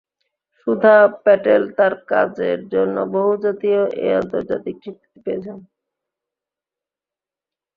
সুধা প্যাটেল তার কাজের জন্য বহু জাতীয় ও আন্তর্জাতিক স্বীকৃতি পেয়েছেন।